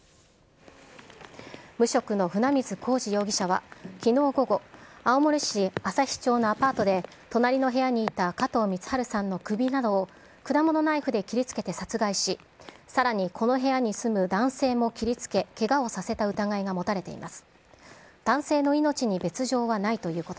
無職の船水公慈容疑者は、きのう午後、青森市旭町のアパートで、隣の部屋にいた加藤光靖さん首などを果物ナイフで切りつけて殺害し、さらにこの部屋に住む男性も切りつけ、けがをさせた疑いが持たれています。